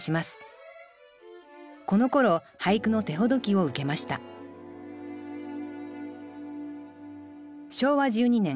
このころ俳句の手ほどきを受けました昭和１２年。